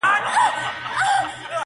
په ځان وهلو باندې خپل غزل ته رنگ ورکوي.